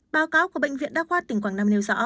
báo cáo của bệnh viện đa khoa tỉnh quảng nam nêu rõ